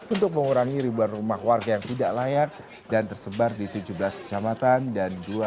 untuk mengurangi ribuan rumah warga yang tidak layak dan tersebar di tujuh belas kecamatan dan dua